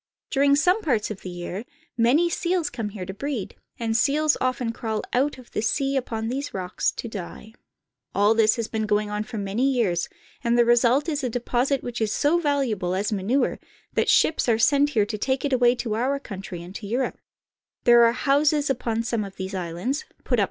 During some parts of the year, many seals come here to breed, and seals often crawl out of the sea upon these rocks to die. On a Guano Island. All this has been going on for many years, and the result is a deposit which is so valuable as manure that ships are sent here to take it away to our country and to Europe.